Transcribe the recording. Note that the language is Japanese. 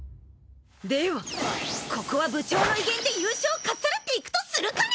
ではここは部長の威厳で優勝をかっさらっていくとするかね！